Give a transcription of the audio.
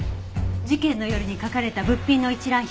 事件の夜に書かれた物品の一覧表です。